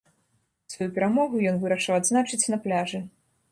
Сваю перамогу ён вырашыў адзначыць на пляжы.